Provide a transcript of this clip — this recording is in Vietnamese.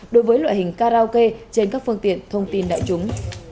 đối với loại hình karaoke trên các phương tiện thông tin đại chúng